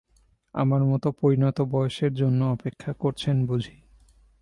আমার মতো পরিণত বয়সের জন্যে অপেক্ষা করছেন বুঝি?